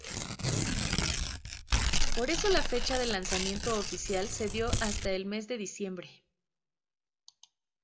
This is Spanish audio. Por eso la fecha del lanzamiento oficial se dio hasta el mes de diciembre.